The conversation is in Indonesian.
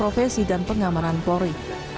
profesi dan pengamanan polri